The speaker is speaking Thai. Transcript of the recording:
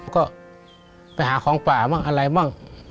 ก็ไปหาของปลาบ้างอะไรบ้าง